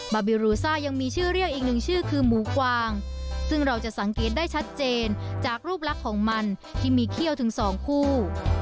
บิรูซ่ายังมีชื่อเรียกอีกหนึ่งชื่อคือหมูกวางซึ่งเราจะสังเกตได้ชัดเจนจากรูปลักษณ์ของมันที่มีเขี้ยวถึงสองคู่